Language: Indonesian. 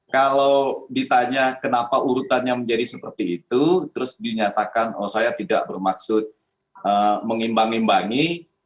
kalau ditanya kenapa urutannya menjadi seperti itu terus dinyatakan oh saya tidak bermaksud mengimbang imbangi